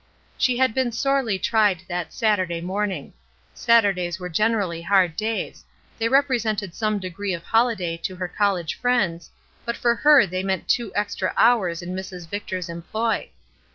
She had been sorely tried that Saturday morning. Saturdays were gener ally hard days; they represented some degree of holiday to her college friends, but for her they meant two extra hours in Mrs. Victor's employ.